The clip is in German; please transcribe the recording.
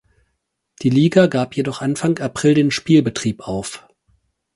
Die Liga gab jedoch Anfang April den Spielbetrieb auf.